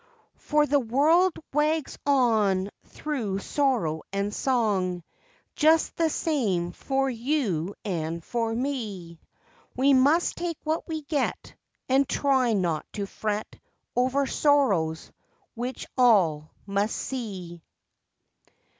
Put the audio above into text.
For the world wags on thru sorrow and song Just the same for you and for me. We must take what we get And try not to fret Over sorrows, which all must see.